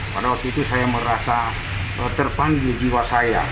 pada waktu itu saya merasa terpanggil jiwa saya